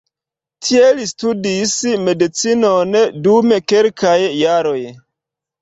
Tie li studis medicinon dum kelkaj jaroj.